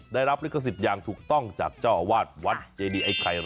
ได้รับลิขสิทธิ์อย่างถูกต้องจากเจ้าอาวาสวัดเจดีไอ้ไข่